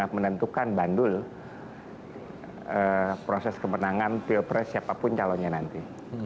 menentukan bandul proses kemenangan pilpres siapapun calonnya nanti